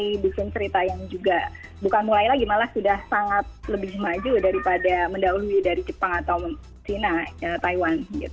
kita bikin cerita yang juga bukan mulai lagi malah sudah sangat lebih maju daripada mendahului dari jepang atau china taiwan